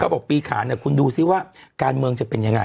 บอกปีขานคุณดูซิว่าการเมืองจะเป็นยังไง